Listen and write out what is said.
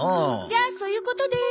じゃあそういうことで。